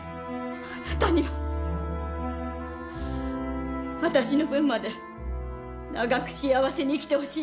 あなたには私の分まで長く幸せに生きてほしいの。